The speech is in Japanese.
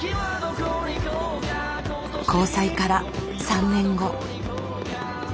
交際から３年後。